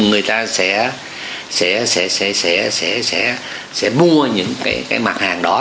người ta sẽ mua những cái mặt hàng đó